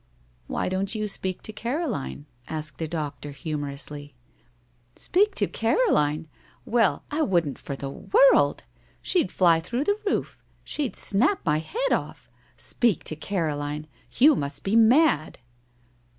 "Why don't you speak to Caroline?" asked the doctor, humorously. "Speak to Caroline! Why, I wouldn't for the world! She'd fly through the roof. She'd snap my head off! Speak to Caroline! You must be mad!"